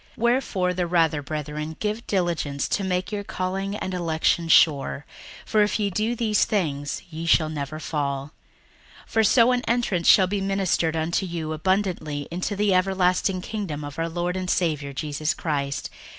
61:001:010 Wherefore the rather, brethren, give diligence to make your calling and election sure: for if ye do these things, ye shall never fall: 61:001:011 For so an entrance shall be ministered unto you abundantly into the everlasting kingdom of our Lord and Saviour Jesus Christ.